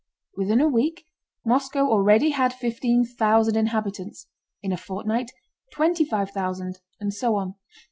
Within a week Moscow already had fifteen thousand inhabitants, in a fortnight twenty five thousand, and so on.